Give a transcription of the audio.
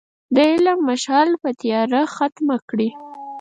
د علم مشعل به تیاره ختمه کړي.